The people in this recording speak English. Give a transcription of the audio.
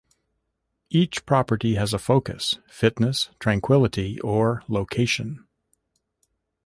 Each property has a focus: fitness, tranquility, or location.